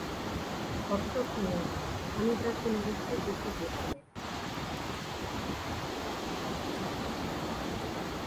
কথাটা পুরানো, আমি তার পুনরুক্তি করিতে বসি নাই।